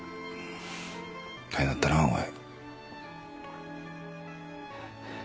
大変だったなお前。